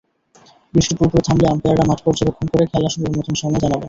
বৃষ্টি পুরোপুরি থামলে আম্পায়াররা মাঠ পর্যবেক্ষণ করে খেলা শুরুর নতুন সময় জানাবেন।